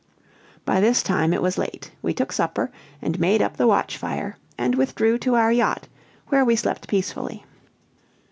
By this time it was late; we took supper, made up the watch fire, and withdrew to our yacht, where we slept peacefully.